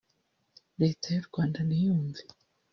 Leta y’u Rwanda ntiyumve